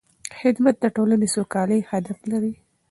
خدمت د ټولنې د سوکالۍ هدف لري.